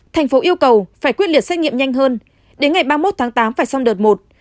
tp yêu cầu phải quyết liệt xét nghiệm nhanh hơn đến ngày ba mươi một tám phải xong đợt một